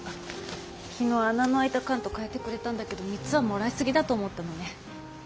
昨日穴の開いた缶と換えてくれたんだけど３つはもらいすぎだと思ったのね。